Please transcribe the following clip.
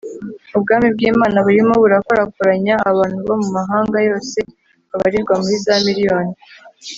Ubwami bw’Imana burimo burakorakoranya abantu bo mu mahanga yose babarirwa muri za miriyoni